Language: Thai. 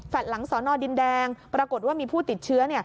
หลังสอนอดินแดงปรากฏว่ามีผู้ติดเชื้อ